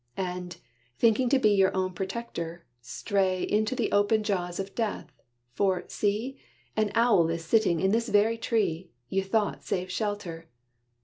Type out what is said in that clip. And, thinking to be your own protector, stray Into the open jaws of death: for, see! An owl is sitting in this very tree You thought safe shelter.